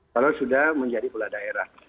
kalau sudah menjadi pula daerah